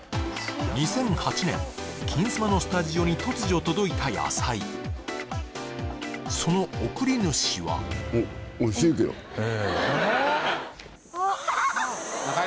２００８年金スマのスタジオに突如届いた野菜その送り主はうんっおいしいけどええ